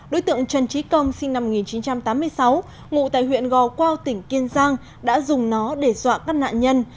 đối tượng trần trí công sinh năm một nghìn chín trăm tám mươi sáu ngụ tại huyện gò quao tỉnh kiên giang đã dùng nó để dọa các nạn nhân